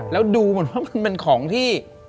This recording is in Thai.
แล้วดูเหมือนว่ามันเป็นของที่